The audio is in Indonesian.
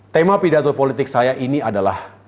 tema pidato politik saya ini adalah